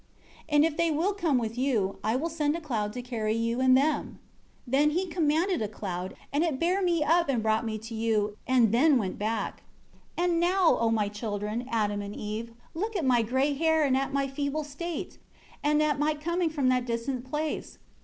24 And if they will come with you, I will send a cloud to carry you and them.' 25 Then He commanded a cloud, and it bear me up and brought me to you; and then went back. 26 And now, O my children, Adam and Eve, look at my old gray hair and at my feeble state, and at my coming from that distant place.